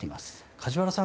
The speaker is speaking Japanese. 梶原さん